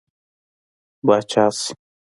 پاچا شي.